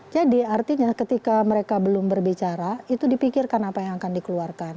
jadi artinya ketika mereka belum berbicara itu dipikirkan apa yang akan dikeluarkan